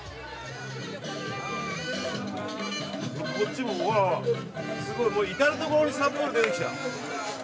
こっちもすごい至る所にサプール出てきた。